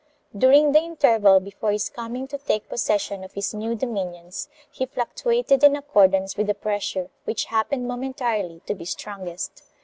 During the interval before his coming to take possession of his new dominions, he fluctuated in accordance with the pressure which happened momentarily to be strongest.